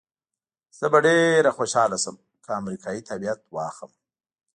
زه به ډېره خوشحاله شم که امریکایي تابعیت واخلم.